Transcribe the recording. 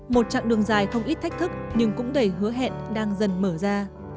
một chặng đường dài không ít thách thức nhưng cũng đầy hứa hẹn đang dần mở ra